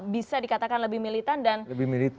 bisa dikatakan lebih militan